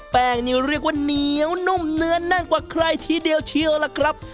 แป้งนี่เรียกว่าเหนียวนุ่มเนื้อแน่นกว่าใครทีเดียวเชียวล่ะครับ